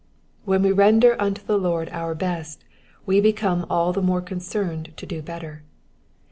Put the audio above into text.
''^ When we render unto the Lord our best, we become all « the more concerned to do better.